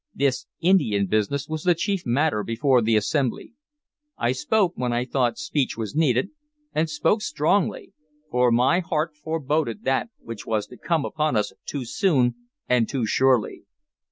This Indian business was the chief matter before the Assembly. I spoke when I thought speech was needed, and spoke strongly; for my heart foreboded that which was to come upon us too soon and too surely.